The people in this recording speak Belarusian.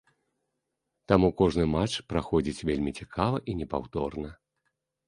Таму кожны матч праходзіць вельмі цікава і непаўторна.